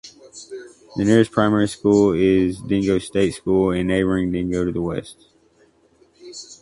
The nearest primary school is Dingo State School in neighbouring Dingo to the west.